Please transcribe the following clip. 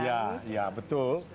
ya ya betul